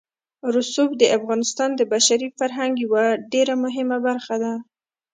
رسوب د افغانستان د بشري فرهنګ یوه ډېره مهمه برخه ده.